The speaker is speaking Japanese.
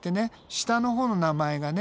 下のほうの名前がね